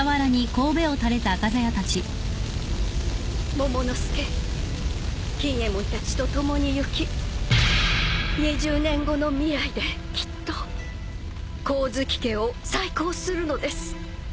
モモの助錦えもんたちと共に行き２０年後の未来できっと光月家を再興するのです。